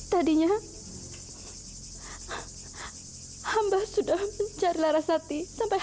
tapi aku sudah mencari selamatkan kamu